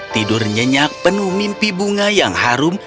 tidur nyenyak penuh mimpi bunga yang harum